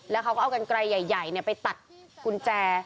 แล้วเขาก็เอากันไกลใหญ่ไปตัดกุญแจ